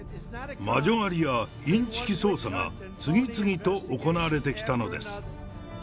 魔女狩りやインチキ捜査が次々と行われてきたのです。